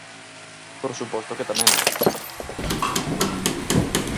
Por suposto que tamén.